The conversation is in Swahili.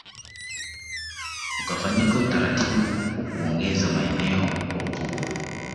Ukafanyika utaratibu wa kuongeza maeneo kwa ukubwa